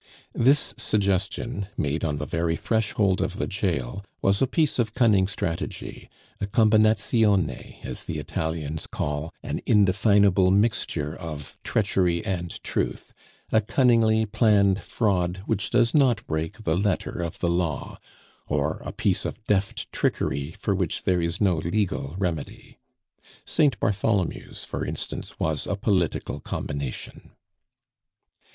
This suggestion, made on the very threshold of the jail, was a piece of cunning strategy a combinazione, as the Italians call an indefinable mixture of treachery and truth, a cunningly planned fraud which does not break the letter of the law, or a piece of deft trickery for which there is no legal remedy. St. Bartholomew's for instance, was a political combination.